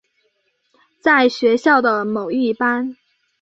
在学校的某一班。